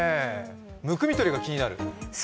むくみとりが気になる？